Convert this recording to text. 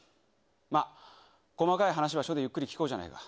まあ、細かい話は署でゆっくり聞こうじゃないか。